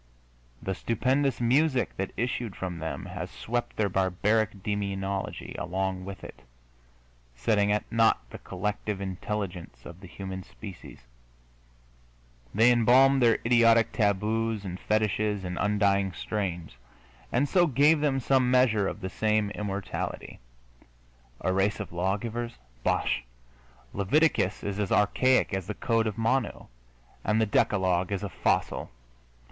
The stupendous music that issued from them has swept their barbaric demonology along with it, setting at naught the collective intelligence of the human species; they embalmed their idiotic taboos and fetishes in undying strains, and so gave them some measure of the same immortality. A race of lawgivers? Bosh! Leviticus is as archaic as the Code of Manu, and the Decalogue is a fossil.